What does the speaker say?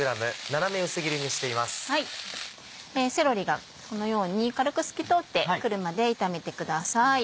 セロリがこのように軽く透き通ってくるまで炒めてください。